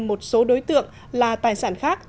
một số đối tượng là tài sản khác